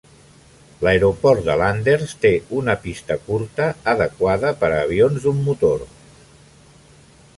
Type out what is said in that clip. L'aeroport de Landers té una pista curta, adequada per a avions d'un motor.